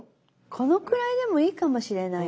このくらいでもいいかもしれないな。